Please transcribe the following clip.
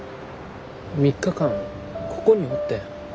３日間ここにおってん。